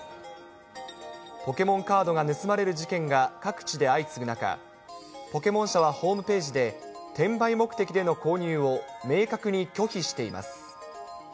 ポケモンカードが盗まれる事件が各地で相次ぐ中、ポケモン社はホームページで、転売目的での購入を、明確に拒否しています。